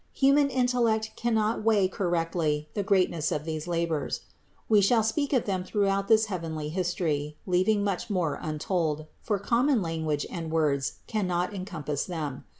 Human intellect cannot weigh correctly the greatness of these labors. We shall speak of them throughout this heavenly history, leaving much more untold, for common language and words cannot encompass them.